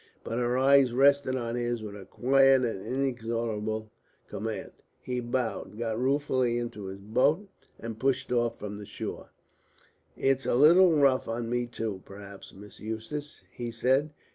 But her eyes rested on his with a quiet and inexorable command. He bowed, got ruefully into his boat, and pushed off from the shore. "It's a little bit rough on me too, perhaps, Miss Eustace," he said.